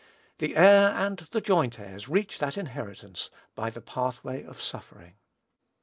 The Heir and the joint heirs reach that inheritance by the pathway of suffering.